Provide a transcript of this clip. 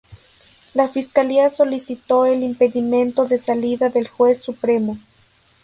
La Fiscalía solicitó el impedimento de salida del juez supremo.